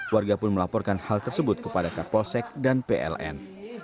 warga pun melaporkan hal tersebut kepada kapolsek dan pln